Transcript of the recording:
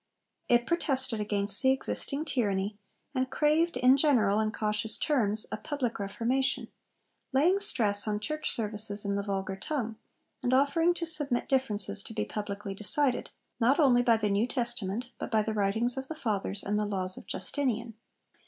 It protested against the existing tyranny, and craved, in general and cautious terms, a 'public Reformation,' laying stress on church services in the vulgar tongue, and offering to submit differences to be publicly decided, not only by the New Testament, but by the writings of the Fathers and the laws of Justinian.